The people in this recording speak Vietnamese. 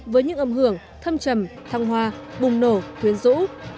với những âm hưởng thâm trầm thăng hoa bùng nổ quyến rũ